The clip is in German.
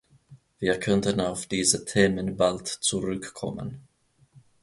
Wir könnten auf diese Themen bald zurückkommen.